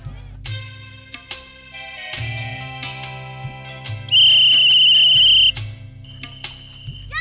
ujang ujang ujang